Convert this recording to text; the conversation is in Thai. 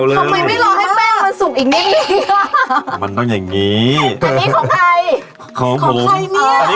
จริงไม่ได้เล่นครับนานี้ของจริงอังชีพเก่าละ